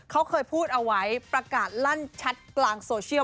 เขาเคยพูดเอาไว้ประกาศลั่นชัดกลางโซเชียล